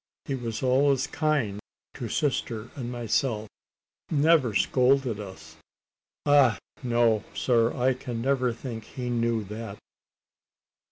He was always kind to sister and myself never scolded us. Ah! no, sir; I can never think he knew that."